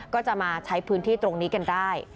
ก็จะมาใช้พื้นที่ตรงนี้กันได้